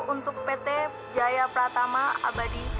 untuk pt jaya pratama abadi